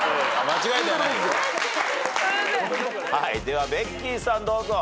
ではベッキーさんどうぞ。